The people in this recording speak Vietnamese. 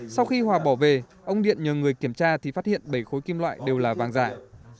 sau khi hòa bỏ về ông điện nhờ người kiểm tra thì phát hiện bảy khối kim loại đều là vàng dài